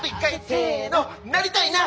せのなりたいな！